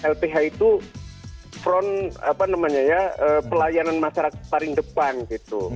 lph itu front apa namanya ya pelayanan masyarakat paling depan gitu